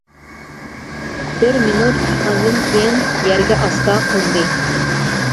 بىر مىنۇت ئۇچقاندىن كېيىن يەرگە ئاستا قوندى.